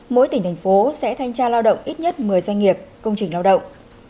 mỗi tỉnh thành phố sẽ thanh tra lao động ít nhất một mươi doanh nghiệp công trình lao động